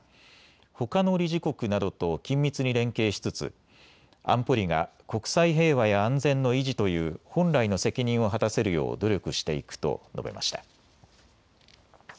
ほかの理事国などと緊密に連携しつつ安保理が国際平和や安全の維持という本来の責任を果たせるよう努力していくと述べました。